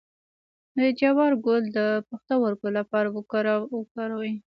د جوار ګل د پښتورګو لپاره وکاروئ